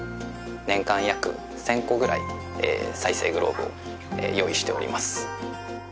年間約１０００個くらい再生グローブを用意しております